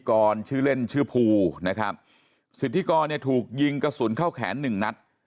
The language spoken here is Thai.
กรชื่อเล่นชื่อภูนะครับสิทธิกรเนี่ยถูกยิงกระสุนเข้าแขนหนึ่งนัด